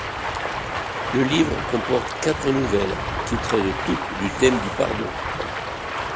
Le livre comporte quatre nouvelles qui traitent toutes du thème du pardon.